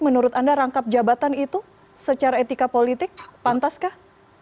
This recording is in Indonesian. menurut anda rangkap jabatan itu secara etika politik pantaskah